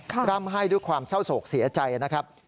ร่ำให้ด้วยความเศร้าโศกเสียใจนะครับ